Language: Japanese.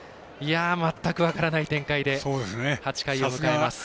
全く分からない展開で８回を迎えます。